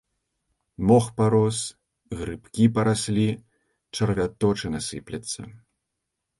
Мох парос, грыбкі параслі, чарвяточына сыплецца.